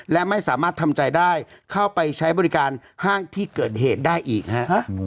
และไม่สามารถทำใจได้เข้าไปใช้บริการห้างที่เกิดเหตุได้อีกฮะ